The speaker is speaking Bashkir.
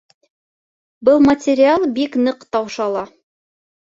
Был материал бик ныҡ таушала